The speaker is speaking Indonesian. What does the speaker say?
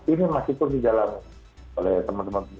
ini masih pun dijalankan oleh teman teman